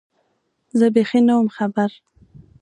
زه بېخي نه وم خبر